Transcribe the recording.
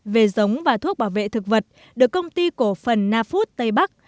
về giống và thuốc bảo vệ thực vật được công ty cổ phần nafut tây bắc